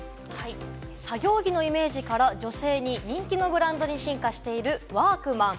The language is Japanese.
作業着のイメージから女性に人気のブランドに進化しているワークマン。